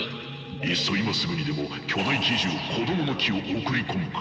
いっそ今すぐにでも巨大奇獣「こどもの樹」を送り込むか。